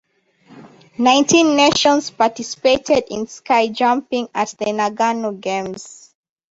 Nineteen nations participated in ski jumping at the Nagano Games.